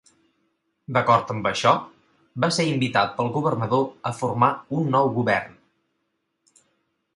D'acord amb això, va ser invitat pel governador a formar un nou govern.